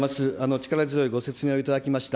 力強いご説明をいただきました。